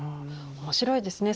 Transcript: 面白いですね。